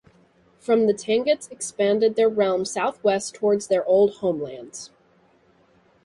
From the Tanguts expanded their realm southwest towards their old homelands.